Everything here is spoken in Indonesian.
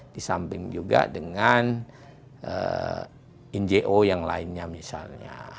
di samping juga dengan njo yang lainnya misalnya